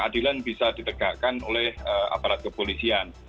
keadilan bisa ditegakkan oleh aparat kepolisian